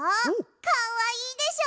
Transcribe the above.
かわいいでしょ。